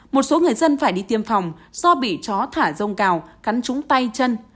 một số người dân phải đi tiêm phòng do bị chó thả rông cào cắn trúng tay chân